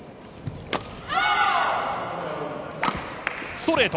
ストレート！